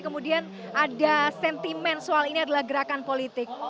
kemudian ada sentimen soal ini adalah gerakan politik